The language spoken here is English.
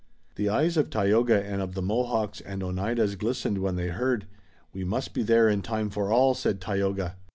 The eyes of Tayoga and of the Mohawks and Oneidas glistened when they heard. "We must be there in time for all," said Tayoga.